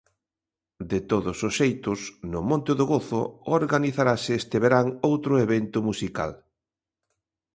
De todos os xeitos, no Monte do Gozo organizarase este verán outro evento musical.